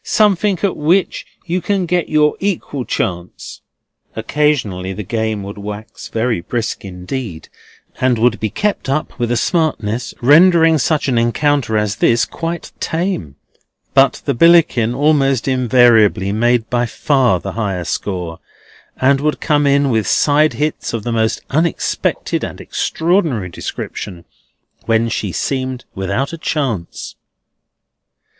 Something at which you can get your equal chance." Occasionally the game would wax very brisk indeed, and would be kept up with a smartness rendering such an encounter as this quite tame. But the Billickin almost invariably made by far the higher score; and would come in with side hits of the most unexpected and extraordinary description, when she seemed without a chance.